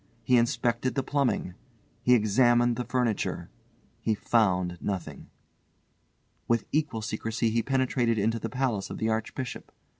He inspected the plumbing. He examined the furniture. He found nothing. With equal secrecy he penetrated into the palace of the Archbishop.